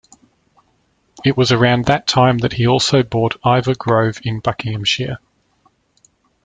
It was around that time that he also bought Iver Grove in Buckinghamshire.